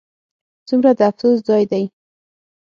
ځومره د افسوس ځاي دي